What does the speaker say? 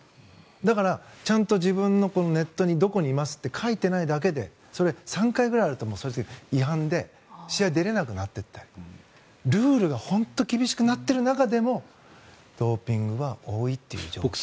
だから、ちゃんと自分のネットにどこにいますって書いていないだけでそれが３回ぐらいあると違反で試合に出れなくなったり。ルールが本当に厳しくなってる中でもドーピングは多いという状況。